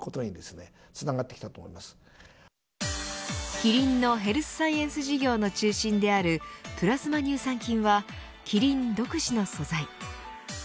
キリンのヘルスサイエンス事業の中心であるプラズマ乳酸菌はキリン独自の素材。